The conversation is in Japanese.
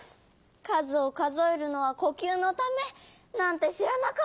かずをかぞえるのはこきゅうのためなんてしらなかった。